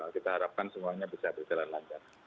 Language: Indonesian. kita harapkan semuanya bisa berjalan lancar